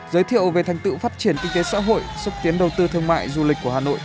giới thiệu về thành tựu phát triển kinh tế xã hội xúc tiến đầu tư thương mại du lịch của hà nội